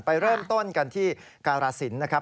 ไปเริ่มต้นกันที่การาศิลป์นะครับ